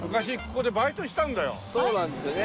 そうなんですよね。